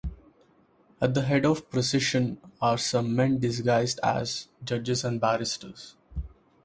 At the head of the procession are some men disguised as judges and barristers.